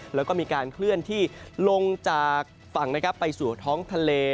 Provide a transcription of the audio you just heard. แล้วก็มีการเคลื่อนที่ลงจากฝั่งไปสู่ท้องทะเล